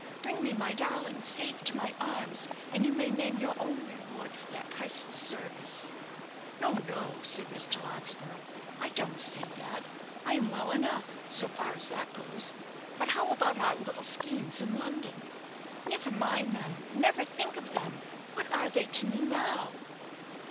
Bring me my darling safe to my arms, and you may name your own reward for that priceless service." "No, no," said Mr. Larkspur; "I don't say that. I am well enough, so far as that goes, but how about our little schemes in London?" "Never mind them never think of them! What are they to me now?"